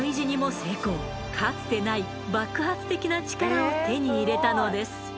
かつてない爆発的な力を手に入れたのです。